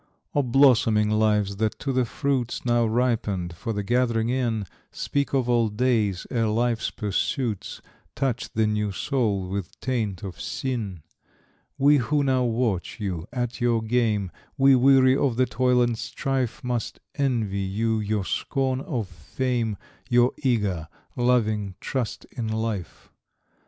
O blossoming lives that to the fruits Now ripened for the gathering in, Speak of old days, ere life's pursuits Touched the new soul with taint of sin, We who now watch you at your game, We, weary of the toil and strife, Must envy you your scorn of fame, Your eager, loving trust in life.